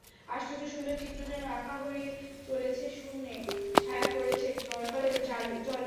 আশ্চর্য সুন্দর চিত্র যেন আঁকা হয়ে চলেছে শূন্যে, ছায়া পড়েছে টলটলে জলে।